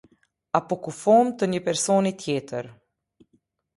Apo kufomë të një personi tjetër.